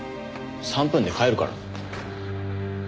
３分で帰るからな。